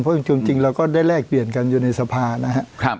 เพราะจริงเราก็ได้แลกเปลี่ยนกันอยู่ในสภานะครับ